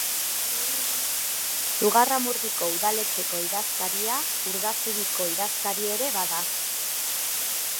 Zugarramurdiko udaletxeko idazkaria Urdazubiko idazkari ere bada.